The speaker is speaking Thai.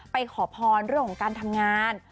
ขอพรเรื่องของการทำงาน